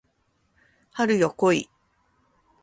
春よ来い